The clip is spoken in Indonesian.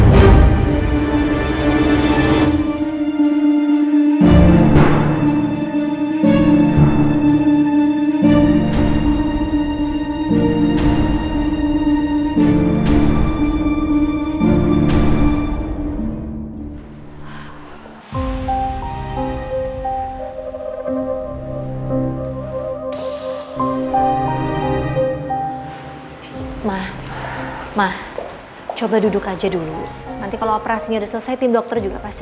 ma ma ma coba duduk aja dulu nanti kalau operasinya selesai tim dokter juga pasti